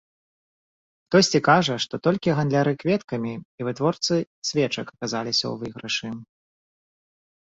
Хтосьці кажа, што толькі гандляры кветкамі і вытворцы свечак аказаліся ў выйгрышы.